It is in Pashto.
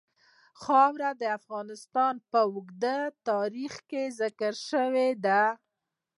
خاوره د افغانستان په اوږده تاریخ کې ذکر شوی دی.